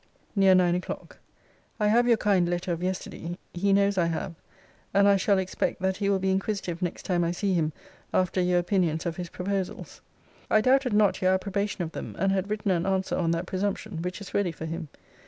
NEAR NINE O'CLOCK. I have your kind letter of yesterday. He knows I have. And I shall expect, that he will be inquisitive next time I see him after your opinions of his proposals. I doubted not your approbation of them, and had written an answer on that presumption; which is ready for him.